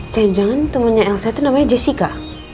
jangan jangan temannya elsa itu namanya jessica